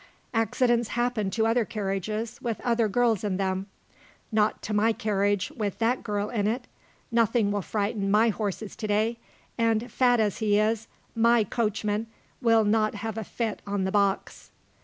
"Accidents happen to other carriages, with other girls in them. Not to my carriage, with that girl in it! Nothing will frighten my horses to day; and, fat as he is, my coachman will not have a fit on the box!"